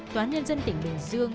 toán nhân dân tỉnh bình dương